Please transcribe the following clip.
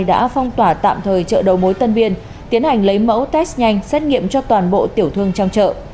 đã phong tỏa tạm thời chợ đầu mối tân biên tiến hành lấy mẫu test nhanh xét nghiệm cho toàn bộ tiểu thương trong chợ